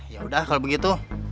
ya udah kalau begitu